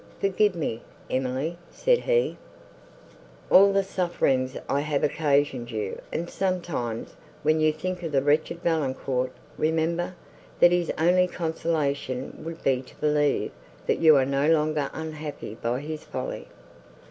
—"Forgive me, Emily," said he, "all the sufferings I have occasioned you, and, sometimes, when you think of the wretched Valancourt, remember, that his only consolation would be to believe, that you are no longer unhappy by his folly."